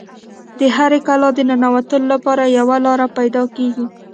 د هرې کلا د ننوتلو لپاره یوه لاره پیدا کیږي